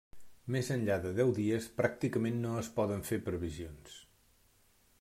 Més enllà de deu dies pràcticament no es poden fer previsions.